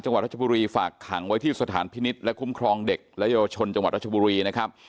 วัดรัชบุรีฝากขังไว้ที่สถานพินิษฐ์และคุ้มครองเด็กและเยาวชนจังหวัดรัชบุรีนะครับ